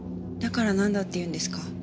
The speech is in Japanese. だからなんだっていうんですか？